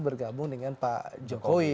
bergabung dengan pak jokowi